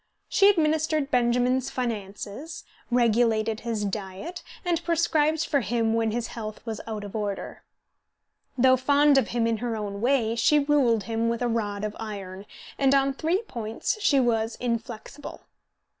She administered Benjamin's finances, regulated his diet, and prescribed for him when his health was out order. Though fond of him in her own way, she ruled him with a rod of iron, and on three points she was inflexible.